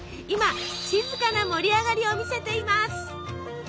今静かな盛り上がりを見せています。